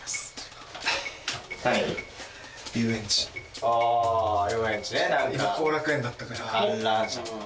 今後楽園だったから。